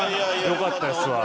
よかったですわ。